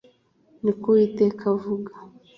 Ni ko Uwiteka avuga.